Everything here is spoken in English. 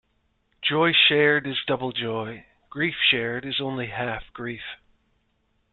Joy shared is double joy; grief shared is only half grief.